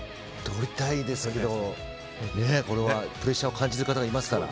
とりたいですけどプレッシャーを感じる方がいますから。